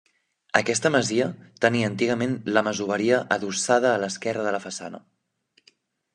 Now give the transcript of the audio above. Aquesta masia tenia antigament la masoveria adossada a l'esquerra de la façana.